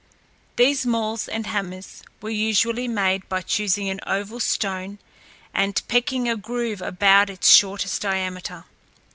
These mauls and hammers were usually made by choosing an oval stone and pecking a groove about its shortest diameter.